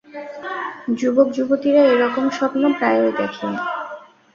যুবক-যুবতীরা এ রকম স্বপ্ন প্রায়ই দেখে।